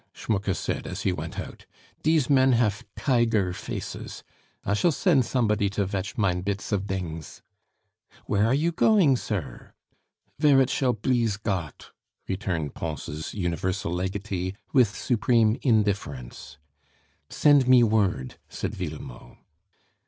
Schmucke said as he went out. "Dese men haf tiger faces.... I shall send somebody to vetch mein bits of dings." "Where are you going, sir?" "Vere it shall blease Gott," returned Pons' universal legatee with supreme indifference. "Send me word," said Villemot.